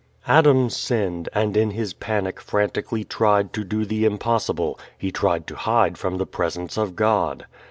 Adam sinned and, in his panic, frantically tried to do the impossible: he tried to hide from the Presence of God.